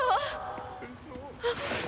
あっ！